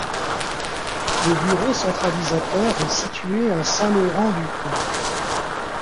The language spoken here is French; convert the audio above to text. Le bureau centralisateur est situé à Saint-Laurent-du-Pont.